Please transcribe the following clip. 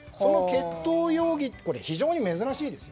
決闘容疑、非常に珍しいです。